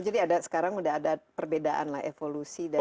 jadi sekarang sudah ada perbedaan lah evolusi dari